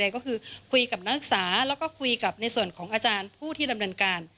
ก็คือคุยกับนักศึกษาแล้วก็คุยกับในส่วนของอาจารย์ผู้ที่ดำเนินการ